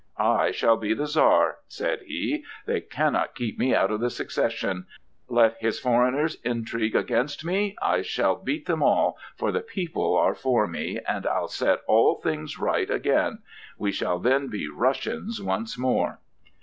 "I shall be the Czar," said he; "they cannot keep me out of the succession. Let his foreigners intrigue against me; I shall beat them all, for the people are for me, and I'll set all things right again. We shall then be Russians once more!"